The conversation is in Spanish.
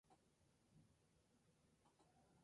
Lanzan el sencillo "Oh!